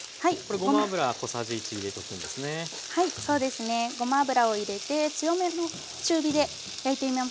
ごま油を入れて強めの中火で焼いています。